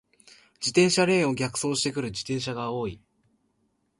自転車レーンを逆走してくる自転車が多い。